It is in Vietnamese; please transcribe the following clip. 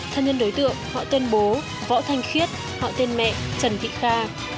thân nhân đối tượng họ tên bố võ thanh khuyết họ tên mẹ trần vị kha